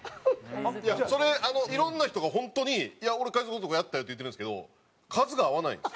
いやそれいろんな人が本当に「俺海賊男やったよ」って言ってるんですけど数が合わないんです。